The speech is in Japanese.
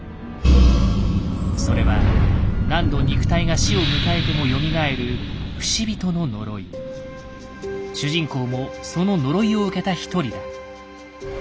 それは何度肉体が死を迎えてもよみがえる主人公もその呪いを受けた一人だ。